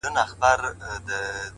• چي د خندا خبري پټي ساتي.